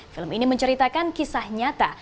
film ini menceritakan kisah nyata